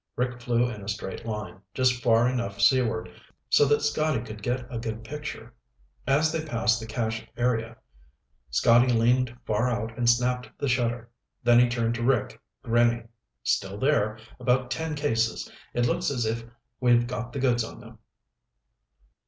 Rick flew in a straight line, just far enough seaward so that Scotty could get a good picture. As they passed the cache area, Scotty leaned far out and snapped the shutter. Then he turned to Rick, grinning. "Still there. About ten cases. It looks as if we've got the goods on them."